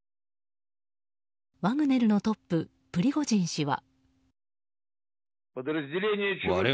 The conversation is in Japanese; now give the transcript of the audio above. ワグネルのトッププリゴジン氏は。